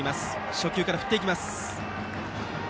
初球から振っていきました。